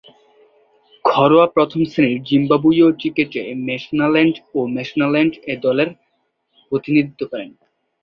ঘরোয়া প্রথম-শ্রেণীর জিম্বাবুয়ীয় ক্রিকেটে ম্যাশোনাল্যান্ড ও ম্যাশোনাল্যান্ড এ দলের প্রতিনিধিত্ব করেন।